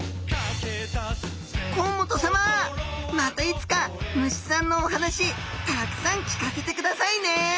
甲本さままたいつか虫さんのお話たくさん聞かせてくださいね！